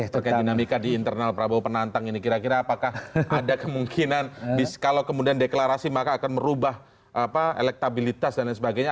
terkait dinamika di internal prabowo penantang ini kira kira apakah ada kemungkinan kalau kemudian deklarasi maka akan merubah elektabilitas dan lain sebagainya